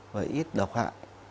và ít độc hại